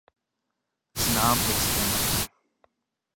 Znám irské matky.